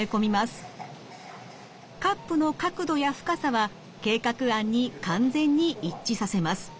カップの角度や深さは計画案に完全に一致させます。